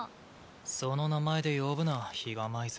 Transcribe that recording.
その名前で呼ぶな比嘉舞星。